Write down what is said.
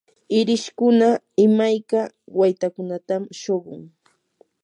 irishkuna imayka waytakunatam shuqun.